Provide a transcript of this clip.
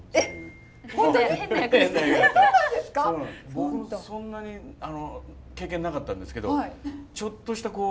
僕そんなに経験なかったんですけどちょっとしたこう。